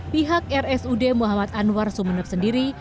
pihak rsud muhammad anwar sumeneb sendiri